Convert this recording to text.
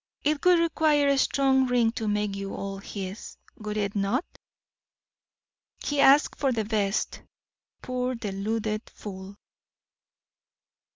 It would require a strong ring to make you all his, would it not? He asked for the best poor, deluded fool!"